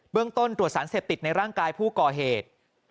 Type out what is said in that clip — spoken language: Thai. เรื่องต้นตรวจสารเสพติดในร่างกายผู้ก่อเหตุ